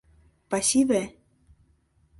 Пасиве!